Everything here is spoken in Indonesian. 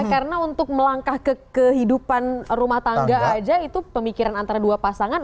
karena untuk melangkah ke kehidupan rumah tangga aja itu pemikiran antara dua pasangan